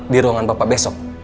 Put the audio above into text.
di ruangan bapak besok